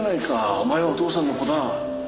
お前はお父さんの子だ。